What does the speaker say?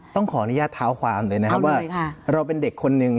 ต้องขออนุญาตเท้าความเลยนะครับว่าเราเป็นเด็กคนหนึ่ง